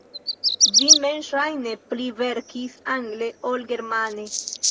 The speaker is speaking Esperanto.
Vi mem ŝajne pli verkis angle ol germane.